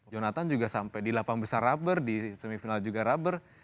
jonathan juga sampai di lapang besar rubber di semifinal juga rubber